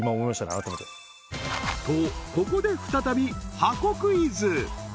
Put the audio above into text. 改めてとここで再び箱クイズ